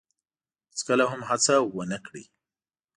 هیڅکله هم هڅه ونه کړی